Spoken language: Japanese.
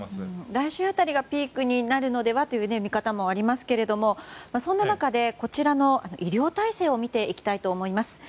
来週辺りがピークになるのではとの見方もありますけどもそんな中で、こちらの医療体制を見ていきたいと思います。